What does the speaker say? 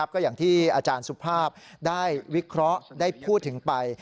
ก็อย่างที่อาจารย์สุภาพได้วิเคราะห์ได้พูดถึงไป